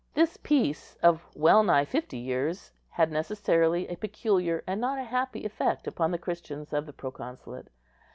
This peace of well nigh fifty years had necessarily a peculiar, and not a happy effect upon the Christians of the proconsulate.